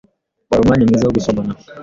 Wari umwanya mwiza wo gusomana.